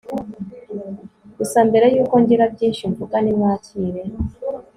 Gusa mbere yuko ngira byinshi mvuga nimwakire